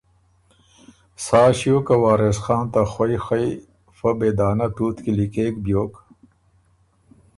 سا ݭیوک که وارث خان ته خوئ خئ فۀ بېدانۀ تُوت کی لیکېک بیوک۔